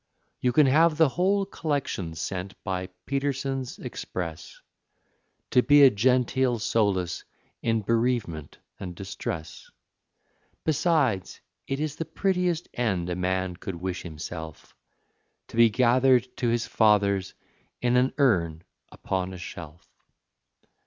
You can have the whole collection sent by Peterson's express, To be a genteel solace in bereavement and distress. Besides, it is the prettiest end a man could wish himself To be gathered to his fathers in an urn upon a shelf.